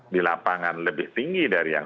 di lapangan lebih tinggi dari yang